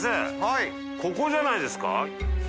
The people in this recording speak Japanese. ここじゃないですか？